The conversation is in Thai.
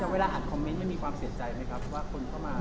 เวลาอัดคอมเม้นต์ยังมีความเสียใจไหมครับ